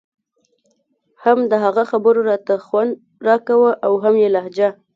هم د هغه خبرو راته خوند راکاوه او هم يې لهجه.